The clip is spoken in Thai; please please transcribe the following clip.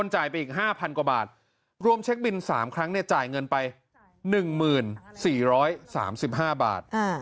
หลวมเช็คบิน๓ครั้งจ่ายเงินไป๑๐๔๓๕บาท